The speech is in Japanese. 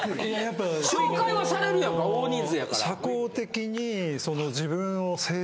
紹介はされるやんか大人数やから。